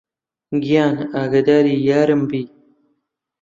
گیان ئاگادری یارم بی